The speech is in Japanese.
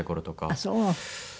ああそう。